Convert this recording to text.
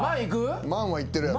万はいってるやろ。